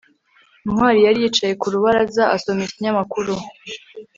ntwali yari yicaye ku rubaraza, asoma ikinyamakuru